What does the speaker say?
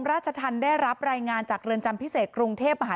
ราชธรรมได้รับรายงานจากเรือนจำพิเศษกรุงเทพมหานคร